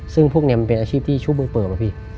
ซึ่งพวกนี้มันเป็นอาชีพที่ชุดเปลือกแล้วพี่